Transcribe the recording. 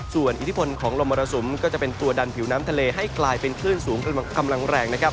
ส่วนอิทธิพลของลมมรสุมก็จะเป็นตัวดันผิวน้ำทะเลให้กลายเป็นคลื่นสูงกำลังแรงนะครับ